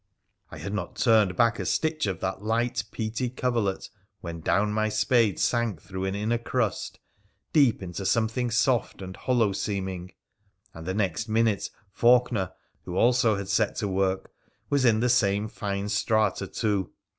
I had not turned back a stitch of that light, peaty coverlet, when down my spade sank through an inner crust, deep into something soft and hollow seeming; and the next minute Faulkener, who also had set to work, was into the same fine strata too.